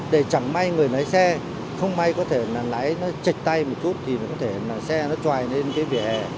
để chẳng may người lái xe không may có thể là lái nó chệch tay một chút thì nó có thể là xe nó tròi lên cái vỉa hè